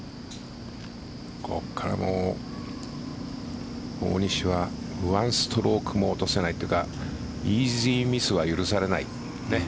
ここから大西は１ストロークも落とせないというかイージーミスは許されないね。